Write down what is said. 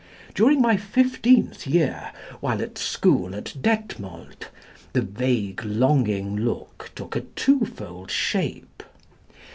During my fifteenth year, while at school at Detmold, the vague longing took a twofold shape.